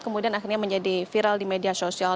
kemudian akhirnya menjadi viral di media sosial